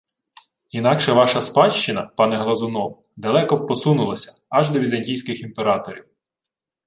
Інакше ваша спадщина, пане Глазунов, далеко б посунулася, аж до візантійських імператорів